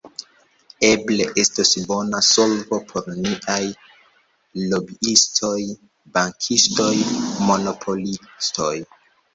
Eble estos bona solvo por niaj lobiistoj, bankistoj, monopolistoj.